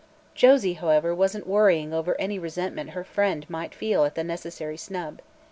Josie, however, wasn't worrying over any resentment her friend might feel at the necessary snub.